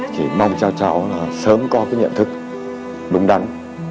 chỉ mong cho cháu là sớm có cái nhận thức đúng đắn